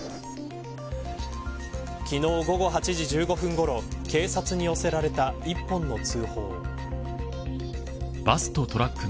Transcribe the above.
昨日、午後８時１５分ごろ警察に寄せられた１本の通報。